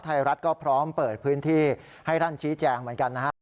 ไทยรัฐก็พร้อมเปิดพื้นที่ให้ท่านชี้แจงเหมือนกันนะครับ